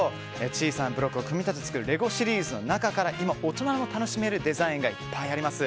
小さなブロックを組み立てて作るレゴシリーズの中から今、大人も楽しめるデザインがいっぱいあります。